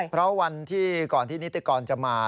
เพราะวันที่ก่อนที่นิติกรจะมา